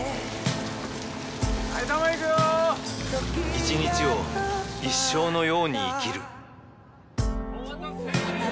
一日を一生のように生きるお待たせ！